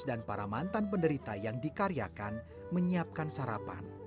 pada saat itu perempuan dan mantan penderita yang dikaryakan menyiapkan sarapan